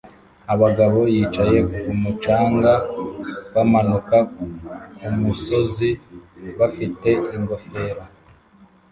Abagabo yicaye kumu canga bamanuka kumusozi bafite ingofero